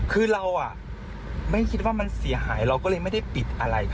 คือเราไม่คิดว่ามันเสียหายเราก็เลยไม่ได้ปิดอะไรค่ะ